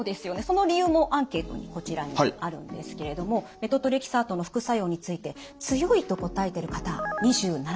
その理由もアンケートにこちらにあるんですけれどもメトトレキサートの副作用について「強い」と答えてる方２７％。